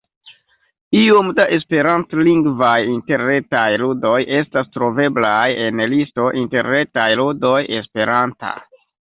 Iom da esperantlingvaj interretaj ludoj estas troveblaj en listo Interretaj ludoj esperanta.